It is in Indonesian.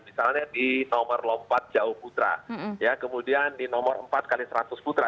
misalnya di nomor lompat jauh putra kemudian di nomor empat x seratus putra